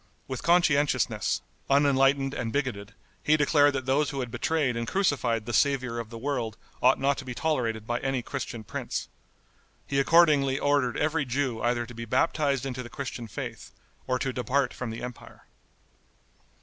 With conscientiousness, unenlightened and bigoted, he declared that those who had betrayed and crucified the Saviour of the world ought not to be tolerated by any Christian prince. He accordingly ordered every Jew either to be baptized into the Christian faith or to depart from the empire.